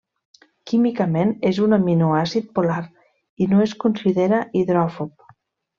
Químicament és un aminoàcid polar i no es considera hidròfob.